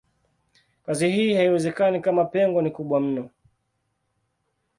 Kazi hii haiwezekani kama pengo ni kubwa mno.